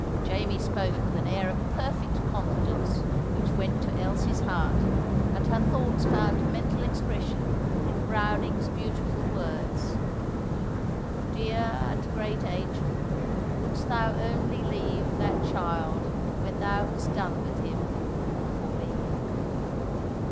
Jamie spoke with an air of perfect confidence which went to Elsie's heart, and her thoughts found mental expression in Browning's beautiful words: "Dear and great angel, wouldst thou only leave That child, when thou hast done with him, for me!"